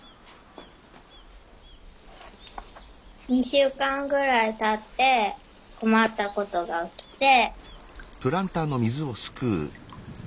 ２週間ぐらいたってこまったことがおきて